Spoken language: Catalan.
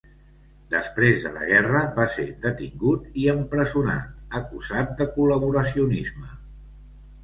Després de la guerra va ser detingut i empresonat, acusat de col·laboracionisme.